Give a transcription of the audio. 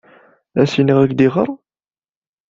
Ad as-iniɣ ad ak-d-iɣer?